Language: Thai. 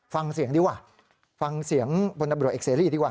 ฟังเสียงดีกว่าฟังเสียงพลตำรวจเอกเสรีดีกว่า